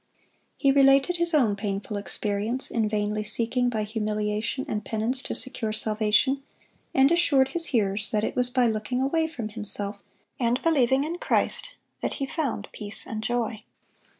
He related his own painful experience in vainly seeking by humiliation and penance to secure salvation, and assured his hearers that it was by looking away from himself and believing in Christ that he found peace and joy.